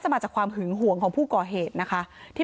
เพราะไม่เคยถามลูกสาวนะว่าไปทำธุรกิจแบบไหนอะไรยังไง